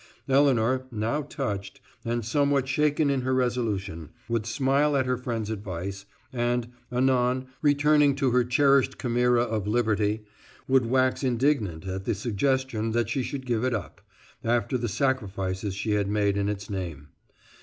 Elinor, now touched, and somewhat shaken in her resolution, would smile at her friend's advice, and anon, returning to her cherished chimera of liberty, would wax indignant at the suggestion that she should give it up, after the sacrifices she had made in its name.